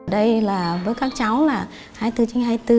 đây là với các cháu là hai mươi bốn trên hai mươi bốn